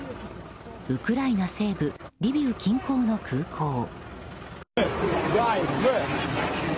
ウクライナ西部リビウ近郊の空港。